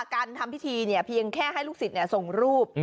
การทำพิธีเพียงแค่ให้ลูกศิษย์ส่งรูป